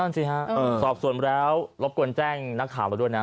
สิฮะสอบส่วนแล้วรบกวนแจ้งนักข่าวเราด้วยนะ